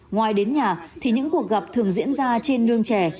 ngoài đến nhà thì những cuộc gặp thường diễn ra trên nương trè